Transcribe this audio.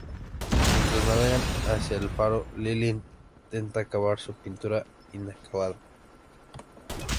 Mientras navegan hacia el faro, Lily intenta acabar su pintura inacabada.